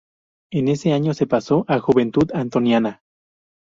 En ese año se pasó a Juventud Antoniana.